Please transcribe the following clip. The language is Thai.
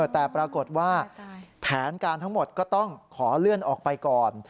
แต่ปรากฏว่าแผนการทั้งหมดก็ต้องขอเลื่อนออกไปก่อน